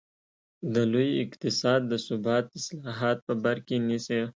د لوی اقتصاد د ثبات اصلاحات په بر کې نیسي.